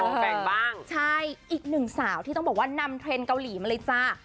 แฟนบ้างใช่อีกหนึ่งสาวที่ต้องบอกว่านำเทรนด์เกาหลีมาเลยจ้า